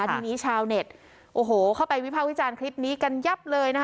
ทีนี้ชาวเน็ตโอ้โหเข้าไปวิภาควิจารณ์คลิปนี้กันยับเลยนะคะ